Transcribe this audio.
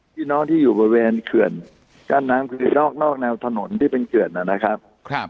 พี่น้องที่อยู่บริเวณเขื่อนกั้นน้ำคือนอกแนวถนนที่เป็นเขื่อนนะครับ